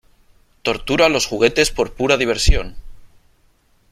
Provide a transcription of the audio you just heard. ¡ Tortura a los juguetes por pura diversión !